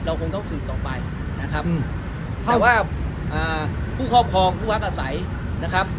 คงต้องสืบต่อไปนะครับแต่ว่าผู้ครอบครองผู้พักอาศัยนะครับ